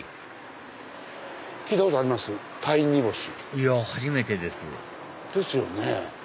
いや初めてですですよね。